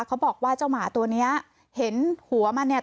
เขาบอกว่าเจ้าหมาตัวเนี้ยเห็นหัวมันเนี่ย